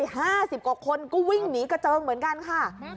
ห้าสิบกว่าคนก็วิ่งหนีกระเจิงเหมือนกันค่ะ